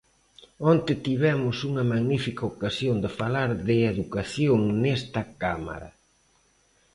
Onte tivemos unha magnífica ocasión de falar de educación nesta Cámara.